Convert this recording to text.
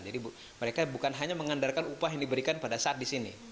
jadi mereka bukan hanya mengandalkan upah yang diberikan pada saat di sini